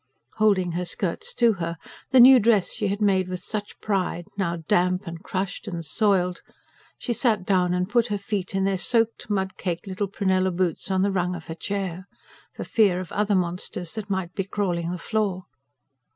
Holding her skirts to her the new dress she had made with such pride, now damp, and crushed, and soiled she sat down and put her feet, in their soaked, mud caked, little prunella boots, on the rung of her chair, for fear of other monsters that might be crawling the floor.